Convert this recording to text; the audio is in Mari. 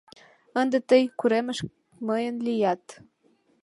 Ынде тый курымеш мыйын лият.